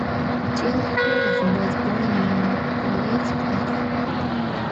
Jean Lacouture was born in Bordeaux, France.